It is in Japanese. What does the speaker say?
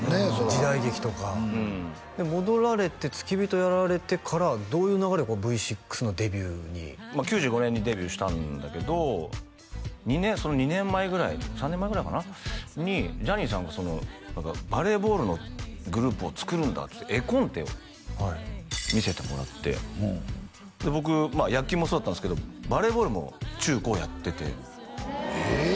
時代劇とかうんで戻られて付き人やられてからどういう流れでＶ６のデビューにまあ９５年にデビューしたんだけど２年その２年前ぐらい３年前ぐらいかな？にジャニーさんがその何かバレーボールのグループを作るんだっつって絵コンテを見せてもらってで僕まあ野球もそうだったんですけどバレーボールも中高やっててえっ！？